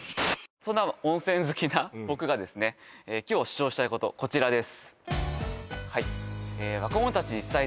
そんな温泉好きな僕がですね今日主張したいことこちらです